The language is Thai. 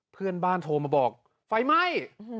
เพื่อนบ้านโทรมาบอกไฟไหม้